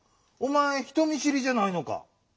おまえ人見しりじゃないのか？